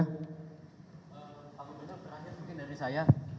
pak gubernur terakhir mungkin dari saya